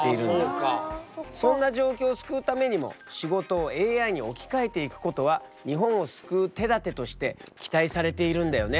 そんな状況を救うためにも仕事をＡＩに置き換えていくことは日本を救う手だてとして期待されているんだよね？